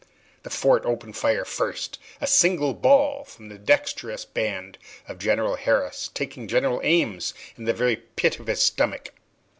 The fort opened fire first a single ball from the dexterous band of General Harris taking General Ames in the very pit of his stomach.